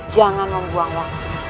jangan membuang waktu